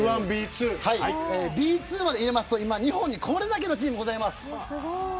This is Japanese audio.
Ｂ２まで入れると今、日本にこれだけのチームがあります。